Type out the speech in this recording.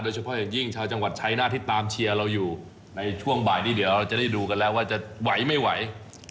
เฉพาะอย่างยิ่งชาวจังหวัดชายนาฏที่ตามเชียร์เราอยู่ในช่วงบ่ายนี้เดี๋ยวเราจะได้ดูกันแล้วว่าจะไหวไม่ไหว